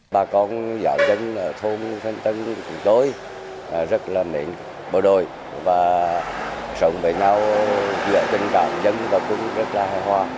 bộ đội và sống với nhau giữa tình cảm dân và quân rất là hài hòa